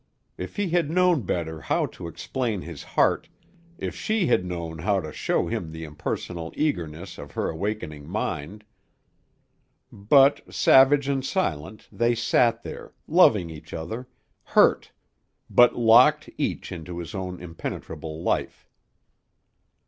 If he had known better how to explain his heart, if she had known how to show him the impersonal eagerness of her awakening mind ! But, savage and silent, they sat there, loving each other, hurt, but locked each into his own impenetrable life.